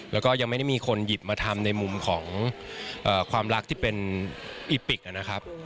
แล้วก็ยังไม่ได้มีคนหยิบมาทำในมุมของความรักที่เป็นอิปิกนะครับ